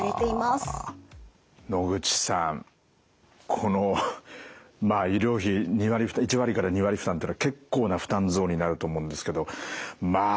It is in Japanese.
野口さんこのまあ医療費１割から２割負担ってのは結構な負担増になると思うんですけどまあ